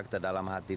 kita dalam hati